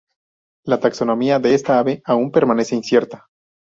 La taxonomía de esta ave aún permanece incierta.